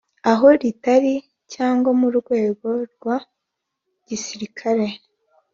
aho ritari cyangwa mu rwego rwa gisirikare